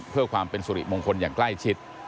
เพื่อความเป็นสุริมงคลอย่างใกล้ชิด